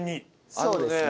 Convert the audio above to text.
そうですね。